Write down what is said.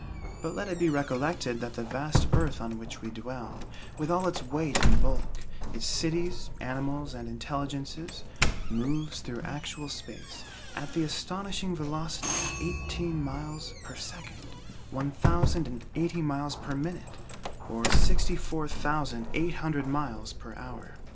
But let it be recollected that the vast earth on which we dwell, with all its weight and bulk, its cities, animals and intelligences, moves through actual space, at the astonishing velocity of eighteen miles per second, one thousand and eighty miles per minute, or sixty four thousand eight hundred miles per hour.